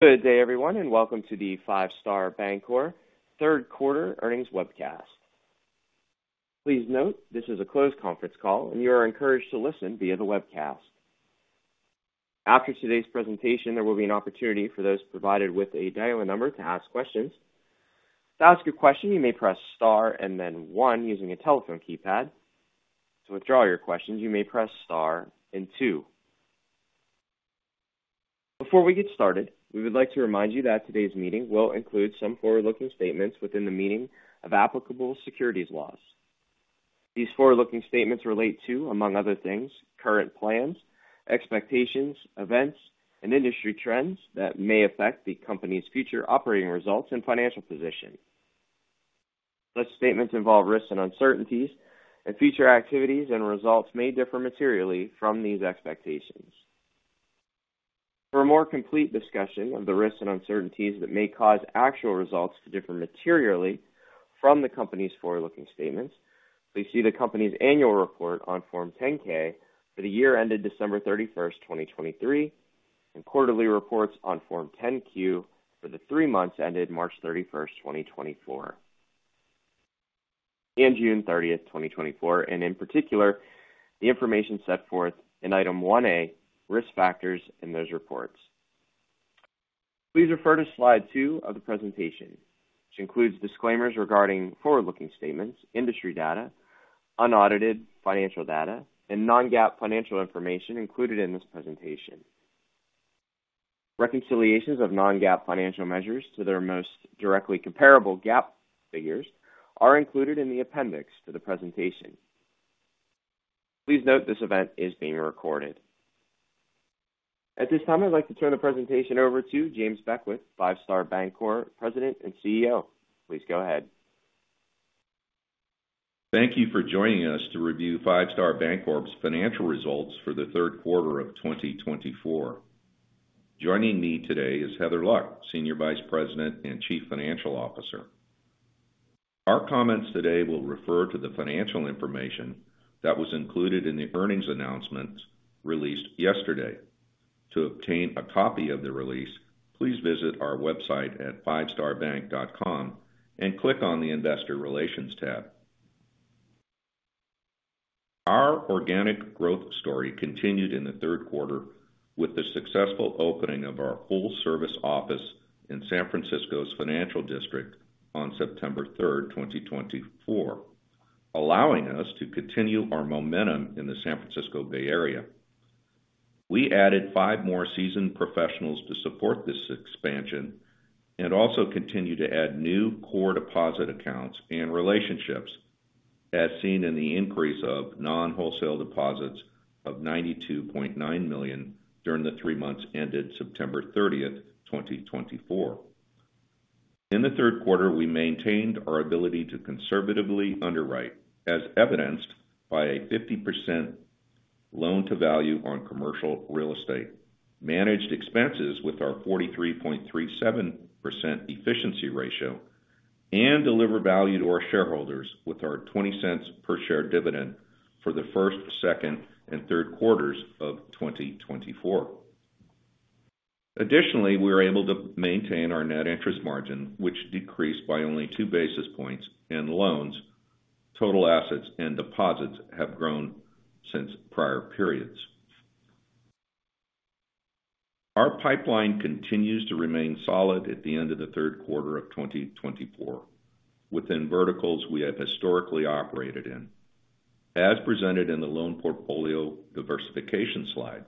Good day, everyone, and welcome to the Five Star Bancorp Third Quarter Earnings Webcast. Please note this is a closed conference call, and you are encouraged to listen via the webcast. After today's presentation, there will be an opportunity for those provided with a dial-in number to ask questions. To ask a question, you may press star and then one using a telephone keypad. To withdraw your questions, you may press star and two. Before we get started, we would like to remind you that today's meeting will include some forward-looking statements within the meaning of applicable securities laws. These forward-looking statements relate to, among other things, current plans, expectations, events, and industry trends that may affect the company's future operating results and financial position. Such statements involve risks and uncertainties, and future activities and results may differ materially from these expectations. For a more complete discussion of the risks and uncertainties that may cause actual results to differ materially from the company's forward-looking statements, please see the company's annual report on Form 10-K for the year ended December 31st, 2023, and quarterly reports on Form 10-Q for the three months ended March 31st, 2024, and June 30th, 2024, and in particular, the information set forth in Item 1A, risk factors in those reports. Please refer to Slide 2 of the presentation, which includes disclaimers regarding forward-looking statements, industry data, unaudited financial data, and non-GAAP financial information included in this presentation. Reconciliations of non-GAAP financial measures to their most directly comparable GAAP figures are included in the appendix to the presentation. Please note this event is being recorded. At this time, I'd like to turn the presentation over to James Beckwith, Five Star Bancorp President and CEO. Please go ahead. Thank you for joining us to review Five Star Bancorp's financial results for the third quarter of 2024. Joining me today is Heather Luck, Senior Vice President and Chief Financial Officer. Our comments today will refer to the financial information that was included in the earnings announcements released yesterday. To obtain a copy of the release, please visit our website at FiveStarBank.com and click on the Investor Relations tab. Our organic growth story continued in the third quarter with the successful opening of our full-service office in San Francisco's Financial District on September 3rd, 2024, allowing us to continue our momentum in the San Francisco Bay Area. We added five more seasoned professionals to support this expansion and also continue to add new core deposit accounts and relationships, as seen in the increase of non-wholesale deposits of $92.9 million during the three months ended September 30th, 2024. In the third quarter, we maintained our ability to conservatively underwrite, as evidenced by a 50% loan-to-value on commercial real estate, managed expenses with our 43.37% efficiency ratio, and deliver value to our shareholders with our $0.20 per share dividend for the first, second, and third quarters of 2024. Additionally, we were able to maintain our net interest margin, which decreased by only two basis points, and loans, total assets, and deposits have grown since prior periods. Our pipeline continues to remain solid at the end of the third quarter of 2024 within verticals we have historically operated in, as presented in the loan portfolio diversification slide.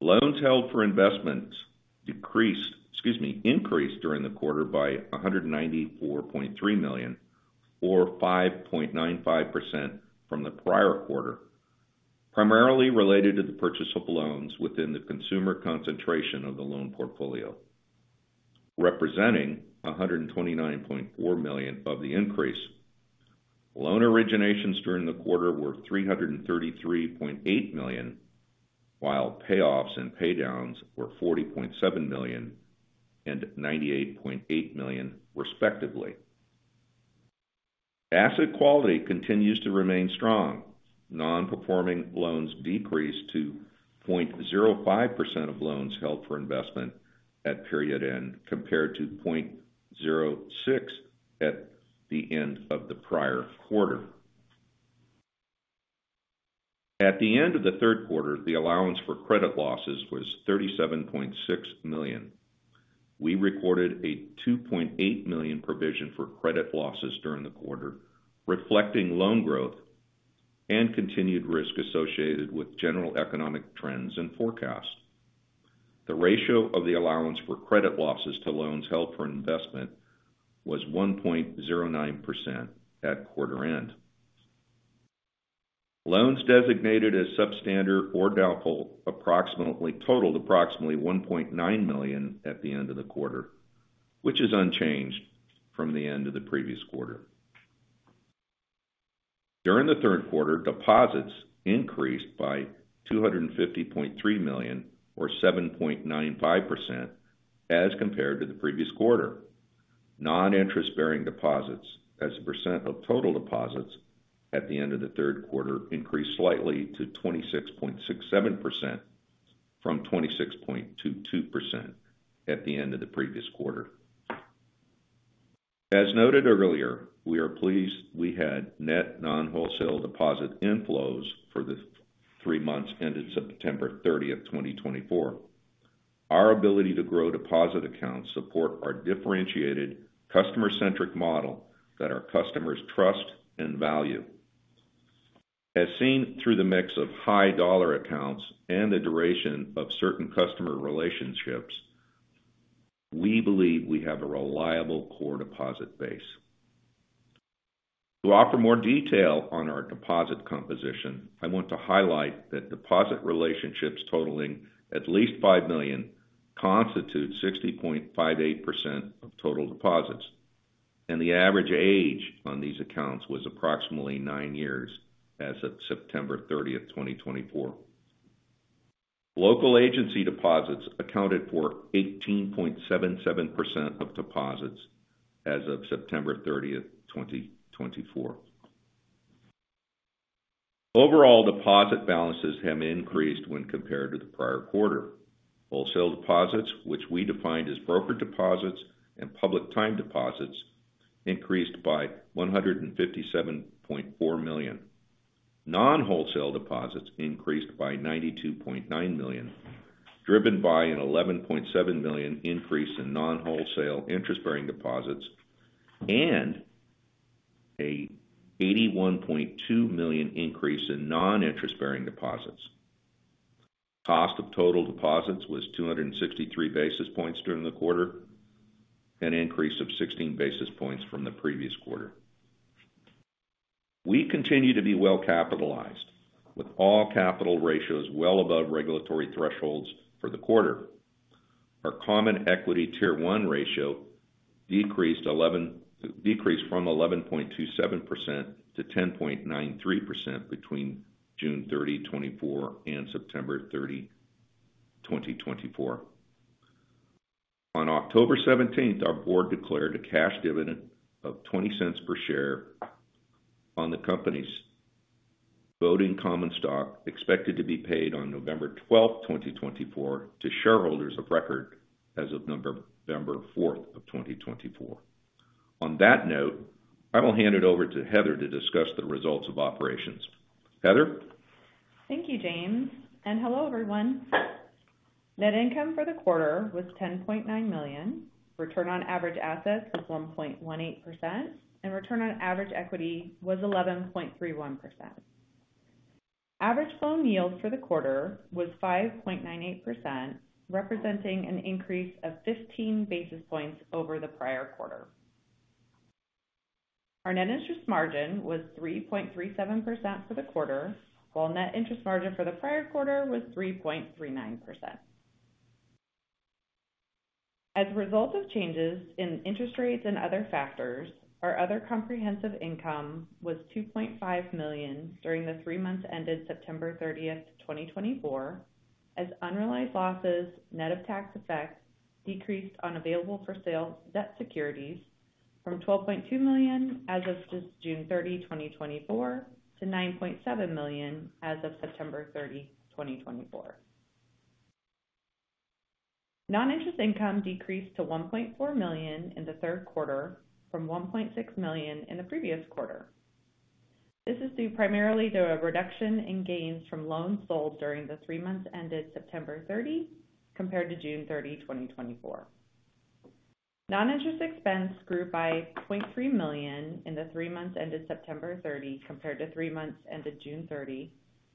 Loans held for investments decreased, excuse me, increased during the quarter by $194.3 million, or 5.95% from the prior quarter, primarily related to the purchase of loans within the consumer concentration of the loan portfolio, representing $129.4 million of the increase. Loan originations during the quarter were $333.8 million, while payoffs and paydowns were $40.7 million and $98.8 million, respectively. Asset quality continues to remain strong. Non-performing loans decreased to 0.05% of loans held for investment at period end, compared to 0.06% at the end of the prior quarter. At the end of the third quarter, the allowance for credit losses was $37.6 million. We recorded a $2.8 million provision for credit losses during the quarter, reflecting loan growth and continued risk associated with general economic trends and forecast. The ratio of the allowance for credit losses to loans held for investment was 1.09% at quarter end. Loans designated as substandard or doubtful approximately totaled $1.9 million at the end of the quarter, which is unchanged from the end of the previous quarter. During the third quarter, deposits increased by $250.3 million, or 7.95%, as compared to the previous quarter. Non-interest-bearing deposits, as a percent of total deposits at the end of the third quarter, increased slightly to 26.67% from 26.22% at the end of the previous quarter. As noted earlier, we are pleased we had net non-wholesale deposit inflows for the three months ended September 30th, 2024. Our ability to grow deposit accounts supports our differentiated customer-centric model that our customers trust and value. As seen through the mix of high-dollar accounts and the duration of certain customer relationships, we believe we have a reliable core deposit base. To offer more detail on our deposit composition, I want to highlight that deposit relationships totaling at least $5 million constitute 60.58% of total deposits, and the average age on these accounts was approximately nine years as of September 30th, 2024. Local agency deposits accounted for 18.77% of deposits as of September 30th, 2024. Overall, deposit balances have increased when compared to the prior quarter. Wholesale deposits, which we defined as broker deposits and public time deposits, increased by $157.4 million. Non-wholesale deposits increased by $92.9 million, driven by an $11.7 million increase in non-wholesale interest-bearing deposits and an $81.2 million increase in non-interest-bearing deposits. Cost of total deposits was 263 basis points during the quarter, an increase of 16 basis points from the previous quarter. We continue to be well-capitalized, with all capital ratios well above regulatory thresholds for the quarter. Our Common Equity Tier One ratio decreased from 11.27% to 10.93% between June 30, 2024, and September 30, 2024. On October 17th, our board declared a cash dividend of $0.20 per share on the company's voting common stock, expected to be paid on November 12th, 2024, to shareholders of record as of November 4th of 2024. On that note, I will hand it over to Heather to discuss the results of operations. Heather. Thank you, James. And hello, everyone. Net income for the quarter was $10.9 million. Return on average assets was 1.18%, and return on average equity was 11.31%. Average loan yield for the quarter was 5.98%, representing an increase of 15 basis points over the prior quarter. Our net interest margin was 3.37% for the quarter, while net interest margin for the prior quarter was 3.39%. As a result of changes in interest rates and other factors, our other comprehensive income was $2.5 million during the three months ended September 30th, 2024, as unrealized losses, net of tax effect, decreased on available-for-sale debt securities from $12.2 million as of June 30, 2024, to $9.7 million as of September 30, 2024. Non-interest income decreased to $1.4 million in the third quarter from $1.6 million in the previous quarter. This is due primarily to a reduction in gains from loans sold during the three months ended September 30, compared to June 30, 2024. Non-interest expense grew by $0.3 million in the three months ended September 30, compared to three months ended June 30,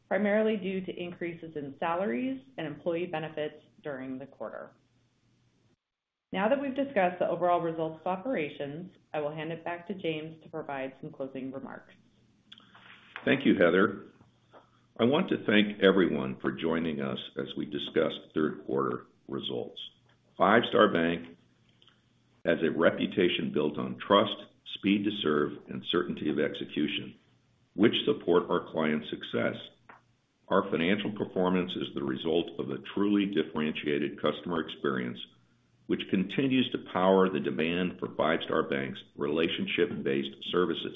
primarily due to increases in salaries and employee benefits during the quarter. Now that we've discussed the overall results of operations, I will hand it back to James to provide some closing remarks. Thank you, Heather. I want to thank everyone for joining us as we discussed third-quarter results. Five Star Bank has a reputation built on trust, speed to serve, and certainty of execution, which support our client's success. Our financial performance is the result of a truly differentiated customer experience, which continues to power the demand for Five Star Bank's relationship-based services.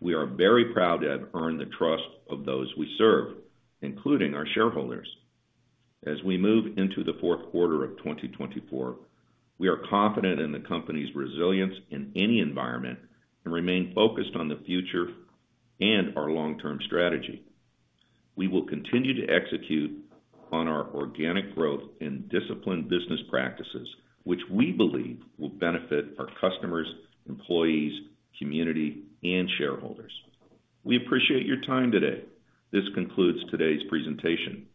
We are very proud to have earned the trust of those we serve, including our shareholders. As we move into the fourth quarter of 2024, we are confident in the company's resilience in any environment and remain focused on the future and our long-term strategy. We will continue to execute on our organic growth and disciplined business practices, which we believe will benefit our customers, employees, community, and shareholders. We appreciate your time today. This concludes today's presentation.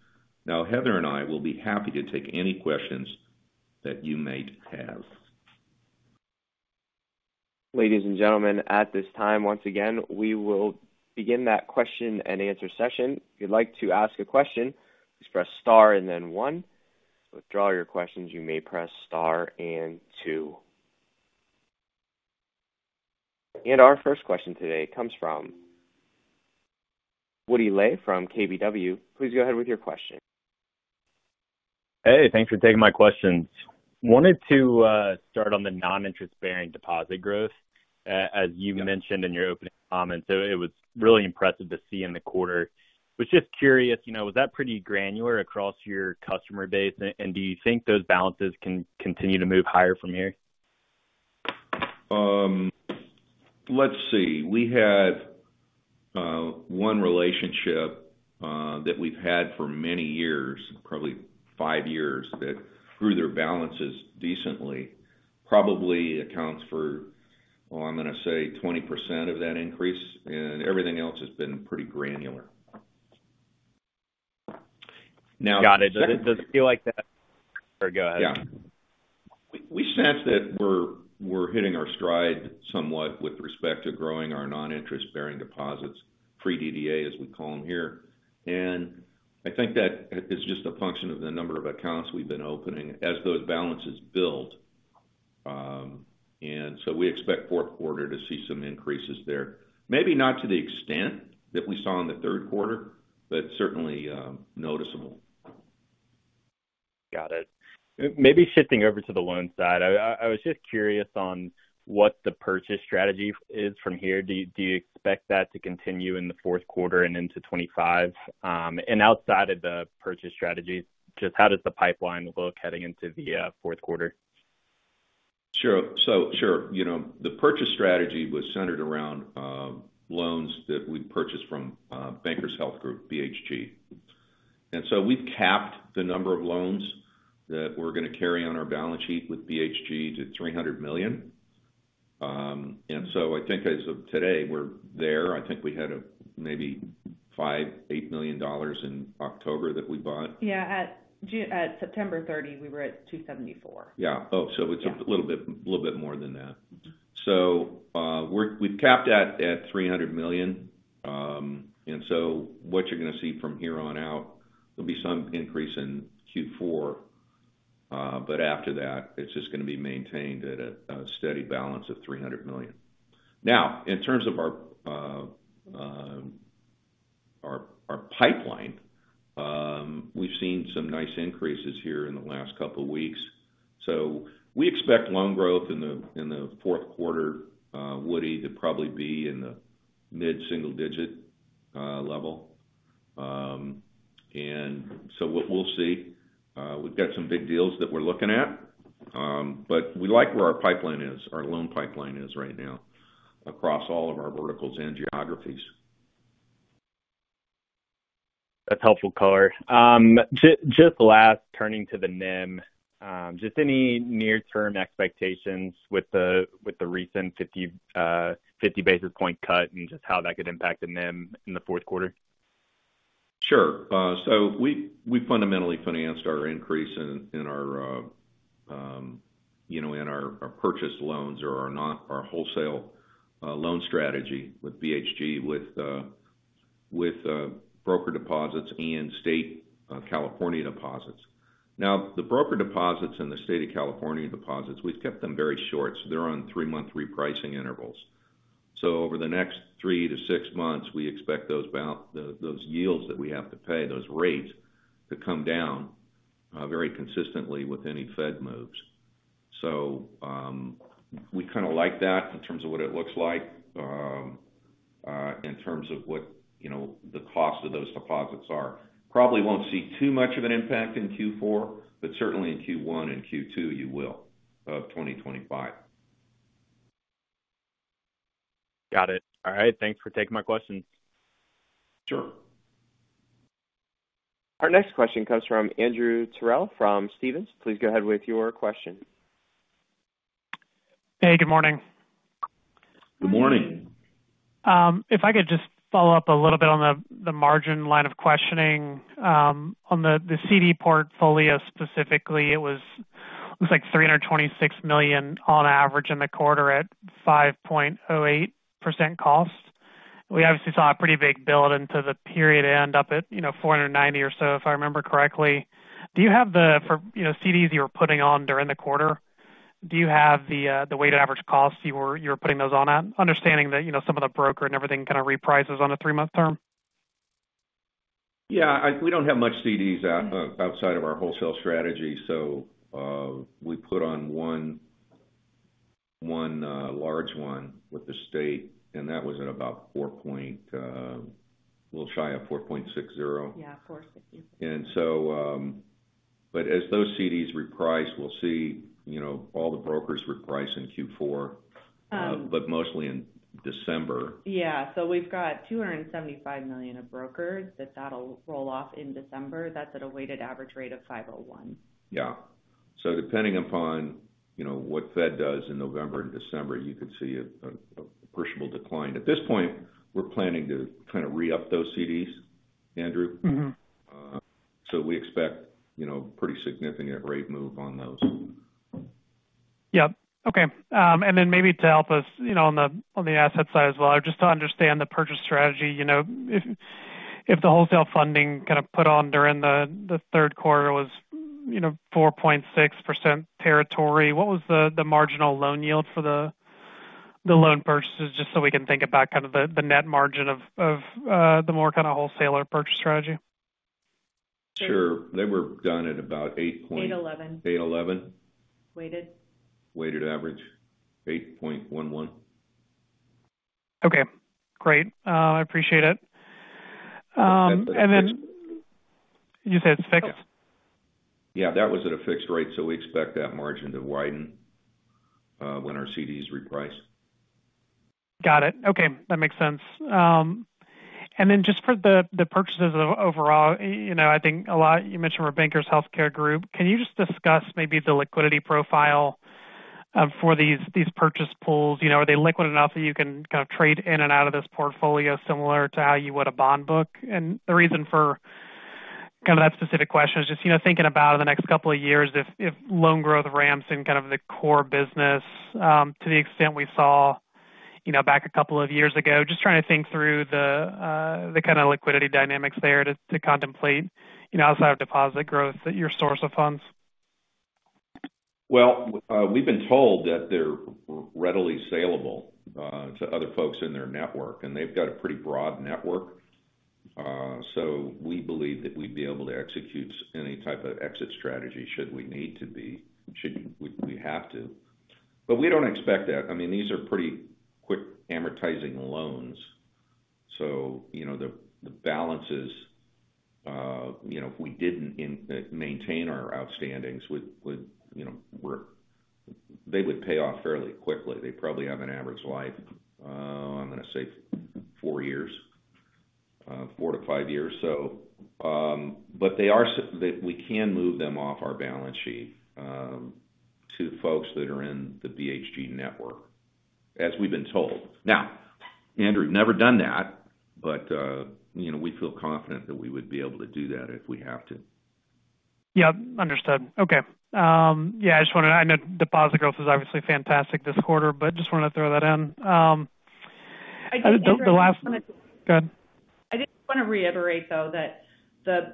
Now, Heather and I will be happy to take any questions that you might have. Ladies and gentlemen, at this time, once again, we will begin that question-and-answer session. If you'd like to ask a question, please press star and then one. To withdraw your question, you may press star and two. And our first question today comes from Woody Lay from KBW. Please go ahead with your question. Hey, thanks for taking my questions. Wanted to start on the non-interest-bearing deposit growth. As you mentioned in your opening comments, it was really impressive to see in the quarter. Was just curious, was that pretty granular across your customer base, and do you think those balances can continue to move higher from here? Let's see. We had one relationship that we've had for many years, probably five years, that grew their balances decently, probably accounts for, well, I'm going to say, 20% of that increase, and everything else has been pretty granular. Now. Got it. Does it feel like that? Go ahead. Yeah. We sense that we're hitting our stride somewhat with respect to growing our non-interest-bearing deposits, Pure DDA, as we call them here. And I think that is just a function of the number of accounts we've been opening as those balances build. And so we expect fourth quarter to see some increases there. Maybe not to the extent that we saw in the third quarter, but certainly noticeable. Got it. Maybe shifting over to the loan side, I was just curious on what the purchase strategy is from here. Do you expect that to continue in the fourth quarter and into 2025? And outside of the purchase strategy, just how does the pipeline look heading into the fourth quarter? Sure. The purchase strategy was centered around loans that we purchased from Bankers Healthcare Group, BHG. We've capped the number of loans that we're going to carry on our balance sheet with BHG to $300 million. I think as of today, we're there. I think we had maybe $5 million-$8 million in October that we bought. Yeah. At September 30, we were at $274 million. Yeah. Oh, so it's a little bit more than that. So we've capped that at $300 million. And so what you're going to see from here on out, there'll be some increase in Q4, but after that, it's just going to be maintained at a steady balance of $300 million. Now, in terms of our pipeline, we've seen some nice increases here in the last couple of weeks. So we expect loan growth in the fourth quarter, Woody, to probably be in the mid-single-digit level. And so we'll see. We've got some big deals that we're looking at, but we like where our pipeline is, our loan pipeline is right now across all of our verticals and geographies. That's helpful color. Just lastly, turning to the NIM, just any near-term expectations with the recent 50 basis points cut and just how that could impact the NIM in the fourth quarter? Sure. So we fundamentally financed our increase in our purchased loans or our wholesale loan strategy with BHG with broker deposits and State of California deposits. Now, the broker deposits and the State of California deposits, we've kept them very short. They're on three-month repricing intervals. So over the next three to six months, we expect those yields that we have to pay, those rates, to come down very consistently with any Fed moves. So we kind of like that in terms of what it looks like in terms of what the cost of those deposits are. Probably won't see too much of an impact in Q4, but certainly in Q1 and Q2, you will, of 2025. Got it. All right. Thanks for taking my questions. Sure. Our next question comes from Andrew Terrell from Stephens. Please go ahead with your question. Hey, good morning. Good morning. If I could just follow up a little bit on the margin line of questioning. On the CD portfolio specifically, it was like $326 million on average in the quarter at 5.08% cost. We obviously saw a pretty big build into the period and end up at $490 million or so, if I remember correctly. Do you have the CDs you were putting on during the quarter? Do you have the weighted average cost you were putting those on at? Understanding that some of the broker and everything kind of reprices on a three-month term. Yeah. We don't have much CDs outside of our wholesale strategy. So we put on one large one with the state, and that was at about a little shy of 4.60%. Yeah, 4.60. As those CDs reprice, we'll see all the brokers reprice in Q4, but mostly in December. Yeah, so we've got $275 million of brokers that'll roll off in December. That's at a weighted average rate of 5.01%. Yeah. So depending upon what Fed does in November and December, you could see an appreciable decline. At this point, we're planning to kind of re-up those CDs, Andrew. So we expect a pretty significant rate move on those. Yep. Okay. And then maybe to help us on the asset side as well, just to understand the purchase strategy, if the wholesale funding kind of put on during the third quarter was 4.6% territory, what was the marginal loan yield for the loan purchases, just so we can think about kind of the net margin of the more kind of wholesaler purchase strategy? Sure. They were done at about 8.81. 8.11. 8.11. Weighted. Weighted average, 8.11. Okay. Great. I appreciate it. And then you said it's fixed? Yeah. That was at a fixed rate, so we expect that margin to widen when our CDs reprice. Got it. Okay. That makes sense. And then just for the purchases overall, I think a lot you mentioned were Bankers Healthcare Group. Can you just discuss maybe the liquidity profile for these purchase pools? Are they liquid enough that you can kind of trade in and out of this portfolio similar to how you would a bond book? And the reason for kind of that specific question is just thinking about in the next couple of years, if loan growth ramps in kind of the core business to the extent we saw back a couple of years ago, just trying to think through the kind of liquidity dynamics there to contemplate outside of deposit growth at your source of funds. We've been told that they're readily saleable to other folks in their network, and they've got a pretty broad network. We believe that we'd be able to execute any type of exit strategy should we need to be, should we have to. We don't expect that. I mean, these are pretty quick amortizing loans. The balances, if we didn't maintain our outstandings, they would pay off fairly quickly. They probably have an average life, I'm going to say, four years, four to five years. We can move them off our balance sheet to folks that are in the BHG network, as we've been told. Now, Andrew, never done that, but we feel confident that we would be able to do that if we have to. Yeah. Understood. Okay. Yeah. I just want to. I know deposit growth is obviously fantastic this quarter, but just wanted to throw that in. The last. I didn't want to. Go ahead. I didn't want to reiterate, though, that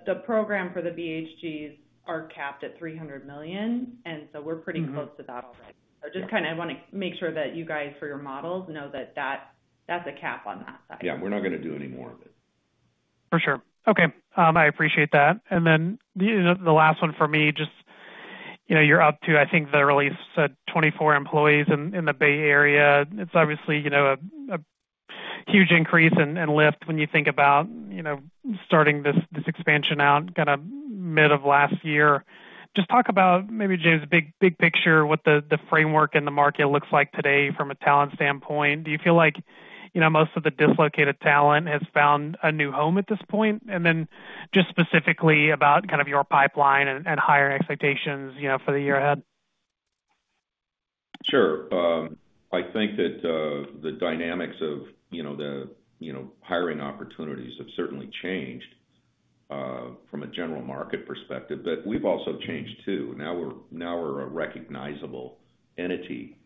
the program for the BHGs are capped at $300 million, and so we're pretty close to that already. So just kind of want to make sure that you guys, for your models, know that that's a cap on that side. Yeah. We're not going to do any more of it. For sure. Okay. I appreciate that. And then the last one for me, just, you're up to, I think the release said 24 employees in the Bay Area. It's obviously a huge increase and lift when you think about starting this expansion out kind of mid of last year. Just talk about maybe, James, big picture, what the framework in the market looks like today from a talent standpoint. Do you feel like most of the dislocated talent has found a new home at this point? And then just specifically about kind of your pipeline and hiring expectations for the year ahead? Sure. I think that the dynamics of the hiring opportunities have certainly changed from a general market perspective, but we've also changed too. Now we're a recognizable entity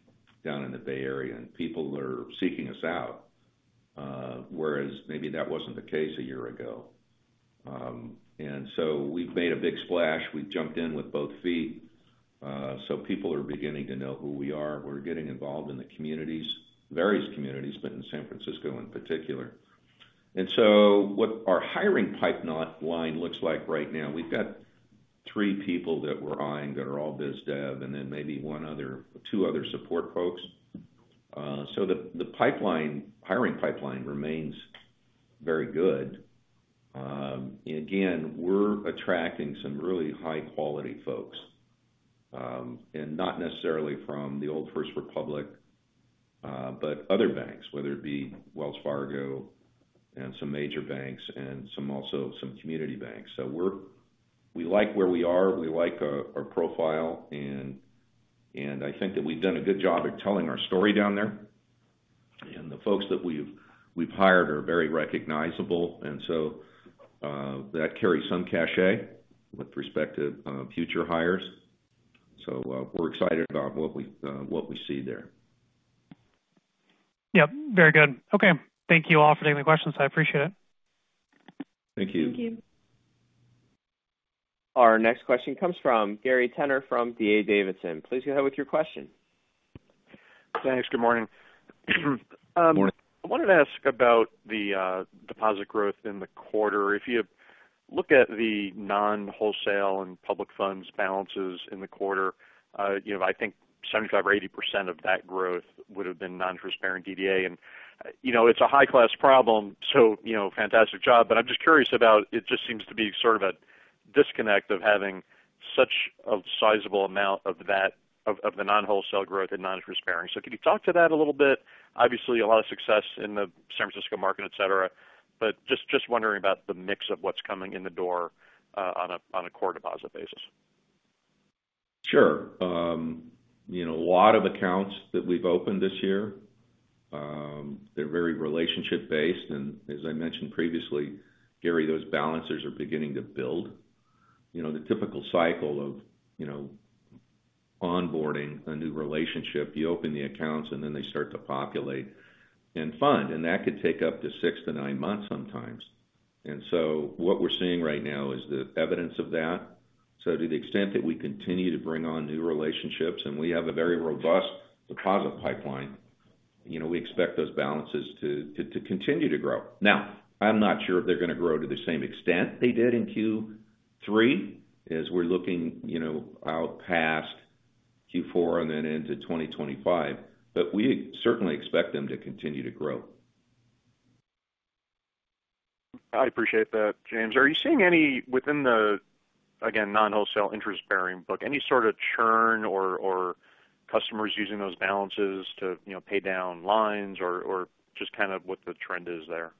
down in the Bay Area, and people are seeking us out, whereas maybe that wasn't the case a year ago, and so we've made a big splash. We jumped in with both feet, so people are beginning to know who we are. We're getting involved in the communities, various communities, but in San Francisco in particular, and so what our hiring pipeline looks like right now, we've got three people that we're eyeing that are all biz dev and then maybe two other support folks, so the hiring pipeline remains very good. Again, we're attracting some really high-quality folks, and not necessarily from the old First Republic, but other banks, whether it be Wells Fargo and some major banks and also some community banks. So we like where we are. We like our profile. And I think that we've done a good job at telling our story down there. And the folks that we've hired are very recognizable. And so that carries some cachet with respect to future hires. So we're excited about what we see there. Yep. Very good. Okay. Thank you all for taking the questions. I appreciate it. Thank you. Thank you. Our next question comes from Gary Tenner from D.A. Davidson. Please go ahead with your question. Thanks. Good morning. Good morning. I wanted to ask about the deposit growth in the quarter. If you look at the non-wholesale and public funds balances in the quarter, I think 75% or 80% of that growth would have been non-interest-bearing DDA, and it's a high-class problem, so fantastic job, but I'm just curious about it. It just seems to be sort of a disconnect of having such a sizable amount of the non-wholesale growth and non-interest-bearing, so can you talk to that a little bit? Obviously, a lot of success in the San Francisco market, etc., but just wondering about the mix of what's coming in the door on a core deposit basis. Sure. A lot of accounts that we've opened this year, they're very relationship-based, and as I mentioned previously, Gary, those balances are beginning to build. The typical cycle of onboarding a new relationship, you open the accounts, and then they start to populate and fund, and that could take up to six to nine months sometimes, and so what we're seeing right now is the evidence of that, so to the extent that we continue to bring on new relationships, and we have a very robust deposit pipeline, we expect those balances to continue to grow. Now, I'm not sure if they're going to grow to the same extent they did in Q3 as we're looking out past Q4 and then into 2025, but we certainly expect them to continue to grow. I appreciate that, James. Are you seeing any, within the, again, non-wholesale interest-bearing book, any sort of churn or customers using those balances to pay down lines or just kind of what the trend is there?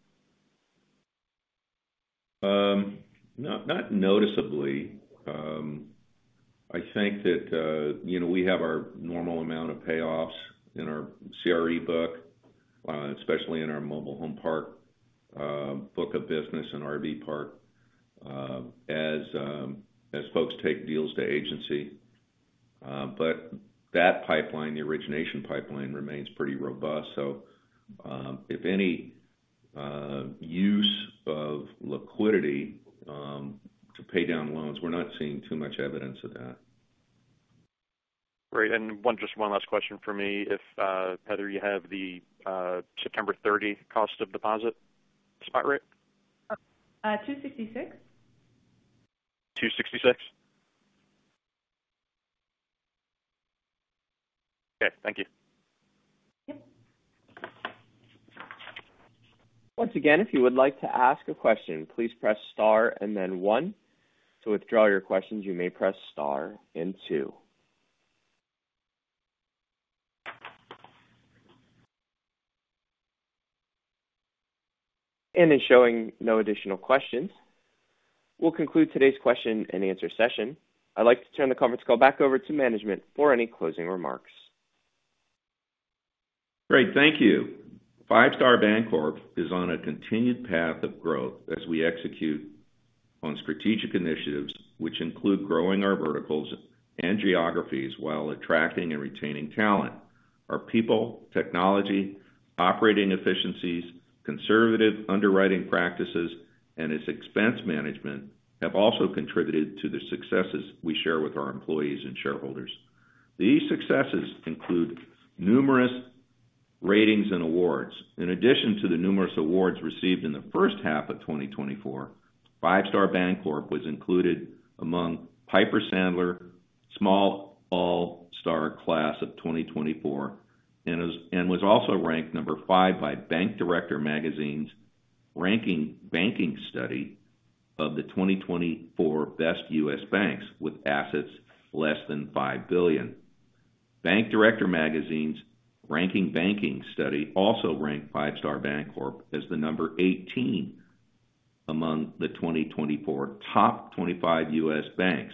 Not noticeably. I think that we have our normal amount of payoffs in our CRE book, especially in our mobile home park book of business and RV park, as folks take deals to agency. But that pipeline, the origination pipeline, remains pretty robust. So if any use of liquidity to pay down loans, we're not seeing too much evidence of that. Great. And just one last question for me. Heather, you have the September 30 cost of deposit spot rate? 266. 266? Okay. Thank you. Yep. Once again, if you would like to ask a question, please press star and then one. To withdraw your questions, you may press star and two. And is showing no additional questions. We'll conclude today's question and answer session. I'd like to turn the conference call back over to management for any closing remarks. Great. Thank you. Five Star Bancorp is on a continued path of growth as we execute on strategic initiatives, which include growing our verticals and geographies while attracting and retaining talent. Our people, technology, operating efficiencies, conservative underwriting practices, and its expense management have also contributed to the successes we share with our employees and shareholders. These successes include numerous ratings and awards. In addition to the numerous awards received in the first half of 2024, Five Star Bancorp was included among Piper Sandler Sm-All Stars Class of 2024 and was also ranked number five by Bank Director Magazine's RankingBanking study of the 2024 best U.S. banks with assets less than $5 billion. Bank Director Magazine's RankingBanking study also ranked Five Star Bancorp as the number 18 among the 2024 top 25 U.S. banks.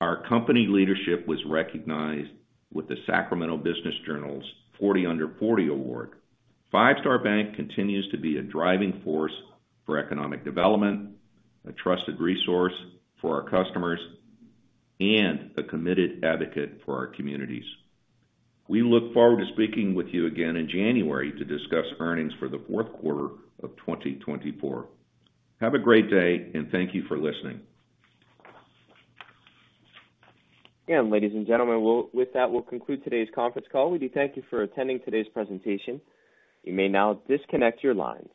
Our company leadership was recognized with the Sacramento Business Journal's 40 Under 40 Award. Five Star Bank continues to be a driving force for economic development, a trusted resource for our customers, and a committed advocate for our communities. We look forward to speaking with you again in January to discuss earnings for the fourth quarter of 2024. Have a great day, and thank you for listening. And ladies and gentlemen, with that, we'll conclude today's conference call. We do thank you for attending today's presentation. You may now disconnect your lines.